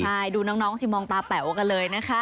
ใช่ดูน้องสิมองตาแป๋วกันเลยนะคะ